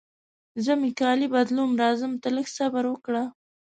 زه مې کالي بدلوم، راځم ته لږ صبر وکړه.